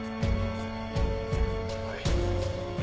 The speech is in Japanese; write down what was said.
はい。